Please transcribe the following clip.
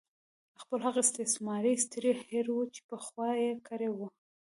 خپل هغه استثمار ترې هېر وو چې پخوا یې کړې وه.